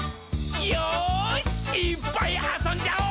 よーし、いーっぱいあそんじゃお！